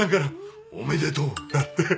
「おめでとう」だって。